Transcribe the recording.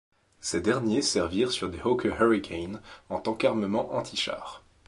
Ces derniers servirent sur des Hawker Hurricane en tant qu'armement anti-char.